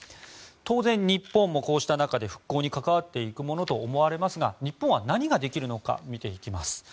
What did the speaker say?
当然、日本もこうした中で復興に関わっていくものとみられますが日本は何ができるのか見ていきます。